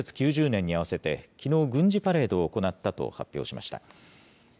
９０年に合わせて、きのう、軍事パレードを行ったと発表しました。